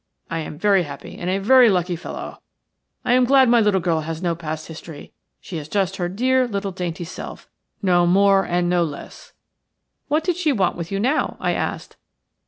I am very happy and a very lucky fellow. I am glad my little girl has no past history. She is just her dear little, dainty self, no more and no less." "What did she want with you now?" I asked.